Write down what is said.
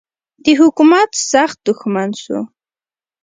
د حکومت سخت دښمن سو.